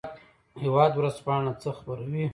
هیواد ورځپاڼه څه خپروي؟